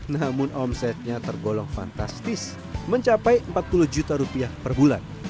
namun omsetnya tergolong fantastis mencapai empat puluh juta rupiah per bulan